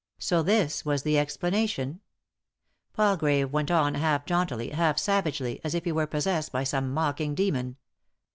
So this was the explanation ? Palgrave went on half jauntily, half savagely, as if he were possessed by some mocking demon.